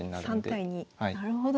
なるほど。